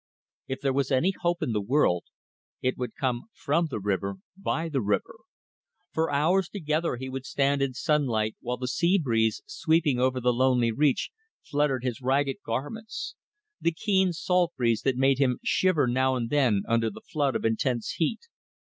If there was any hope in the world it would come from the river, by the river. For hours together he would stand in sunlight while the sea breeze sweeping over the lonely reach fluttered his ragged garments; the keen salt breeze that made him shiver now and then under the flood of intense heat.